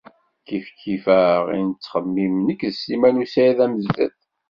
Kifkif-aɣ i nettxemmim nekk d Sliman u Saɛid Amezdat.